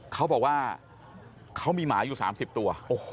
เขาบอกว่าเขามีหมาอยู่๓๐ตัว